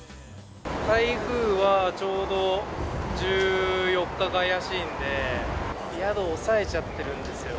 台風はちょうど１４日が怪しいんで、宿押さえちゃってるんですよ。